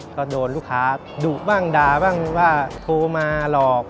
ก็โดนลูกค้าดุบ้างด่าบ้างว่าโทรมาหลอก